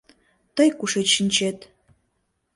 Тый кушеч шинчет?